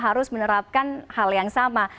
harus menerapkan hal yang sama